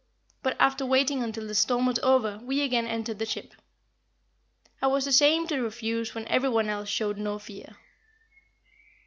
But after waiting until the storm was over we again entered the ship. I was ashamed to refuse when everyone else showed no fear.